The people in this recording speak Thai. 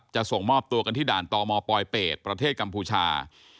จะส่งมอบตัวกันที่ด่านตมปลอยเป็ดประเทศกัมพูชา